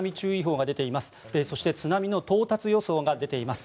そして、津波の到達予想が出ています。